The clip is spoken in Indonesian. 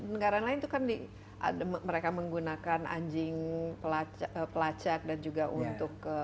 negara lain itu kan di mereka menggunakan anjing pelacak dan juga untuk